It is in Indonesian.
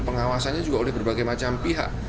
pengawasannya juga oleh berbagai macam pihak